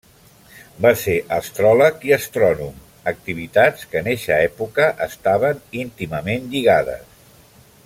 Va ser astròleg i astrònom, activitats que en eixa època estaven íntimament lligades.